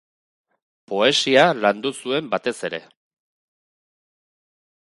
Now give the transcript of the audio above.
Poesia landu zuen batez ere.